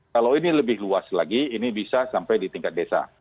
kalau ini lebih luas lagi ini bisa sampai di tingkat desa